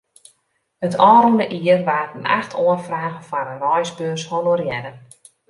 It ôfrûne jier waarden acht oanfragen foar in reisbeurs honorearre.